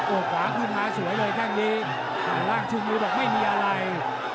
โอ้โหขวาขึ้นมาสวยเลยแค่งนี้ร่างชูมือบอกไม่มีอะไร